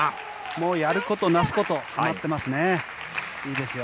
もう、やることなすこと決まってますね。